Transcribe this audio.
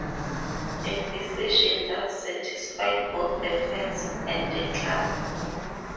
A decision that satisfied both the fans and the club.